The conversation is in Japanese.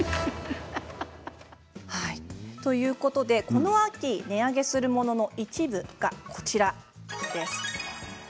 この秋、値上げするものの一部がこちらです。